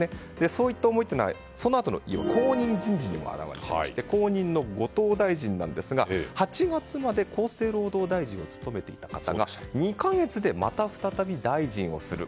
そういった思いはそのあとの後任人事にも表れていまして後任の後藤大臣ですが８月まで厚生労働大臣を務めていた方が２か月で、また再び大臣をする。